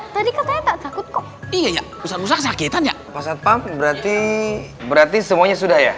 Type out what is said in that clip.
tadi katanya tak takut kok iya usah sakit aja pasal pam berarti berarti semuanya sudah ya